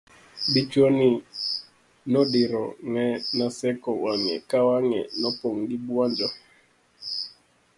dichuo ni nodiro ne Naseko wang'e ka wang'e nopong' gi buonjo